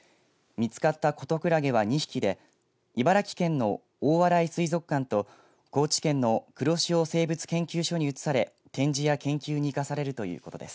見つかったコトクラゲは２匹で茨城県の大洗水族館と高知県の黒潮生物研究所に移され展示や研究に生かされるということです。